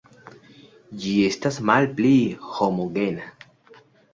Ĝi estas malpli homogena.